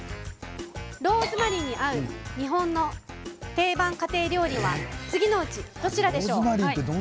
ローズマリーに合う日本の定番家庭料理は次のうち、どちらでしょう？